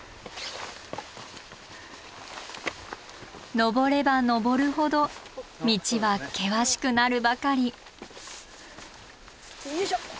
登れば登るほど道は険しくなるばかり。